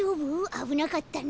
あぶなかったね。